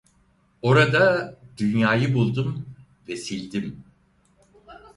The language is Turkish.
Orada dünyayı buldum ve sildim.